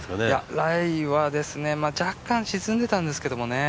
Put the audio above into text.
ライは若干沈んでたんですけどね。